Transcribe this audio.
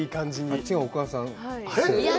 あっちがお母さんの。